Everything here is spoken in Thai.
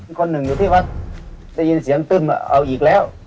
มีคนหนึ่งอยู่ที่วัดจะยินเสียงตื้มอะอ้าวอีกแล้ว